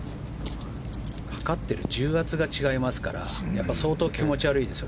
かかっている重圧が違いますから相当気持ち悪いですよ。